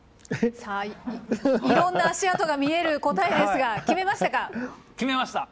さあいろんな足跡が見える答えですが決めましたか？